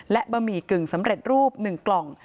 และบะหมี่กึ่งสำเร็จรูป๑กล่อง